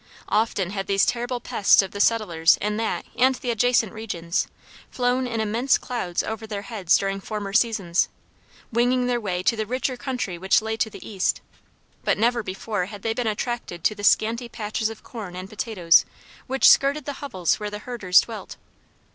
Often had these terrible pests of the settlers in that and the adjacent regions, flown in immense clouds over their heads during former seasons, winging their way to the richer country which lay to the east, but never before had they been attracted to the scanty patches of corn and potatoes which skirted the hovels where the herders dwelt.